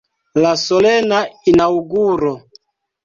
La solena inaŭguro.